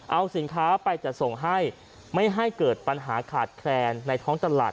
เอาสินค้าไปจัดส่งให้ไม่ให้เกิดปัญหาขาดแคลนในท้องตลาด